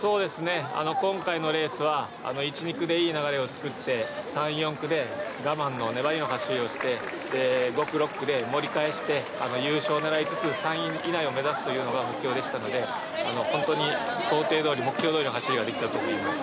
今回のレースは１・２区でいろいろ流れをつくって３・４区で我慢の粘りの走りをして５区６区で盛り返して、優勝を狙いつつ、３位以内を狙うのが目標でしたので本当に、想定どおり、目標どおりの走りができたと思います。